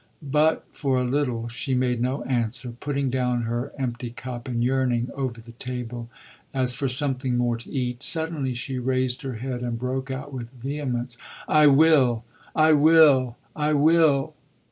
But for a little she made no answer, putting down her empty cup and yearning over the table as for something more to eat. Suddenly she raised her head and broke out with vehemence: "I will, I will, I will!"